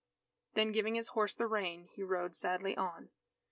Then giving his horse the rein, he rode sadly on.